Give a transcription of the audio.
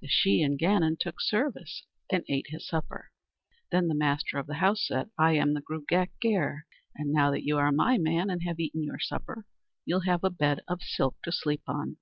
The Shee an Gannon took service, and ate his supper. Then the master of the house said: "I am the Gruagach Gaire; now that you are my man and have eaten your supper, you'll have a bed of silk to sleep on."